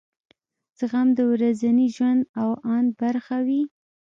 زغم د ورځني ژوند او اند برخه وي.